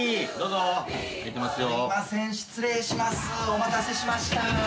お待たせしました。